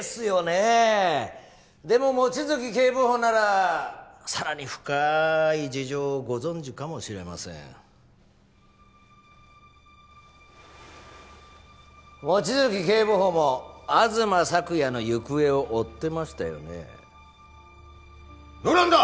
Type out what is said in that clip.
えでも望月警部補ならさらに深い事情をご存じかもしれません望月警部補も東朔也の行方を追ってましたよねどうなんだ？